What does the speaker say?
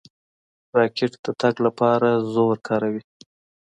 راکټ د تګ لپاره زور کاروي.